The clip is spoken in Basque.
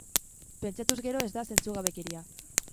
Pentsatuz gero ez da zentzugabekeria.